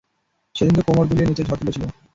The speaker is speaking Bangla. সেদিন তো কোমড় দুলিয়ে, নেচে ঝড় তুলেছিলে।